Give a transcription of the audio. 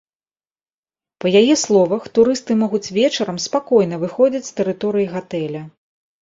Па яе словах, турысты могуць вечарам спакойна выходзіць з тэрыторыі гатэля.